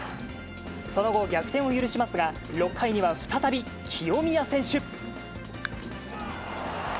その後、逆転を許しますが、６回には再び清宮選手。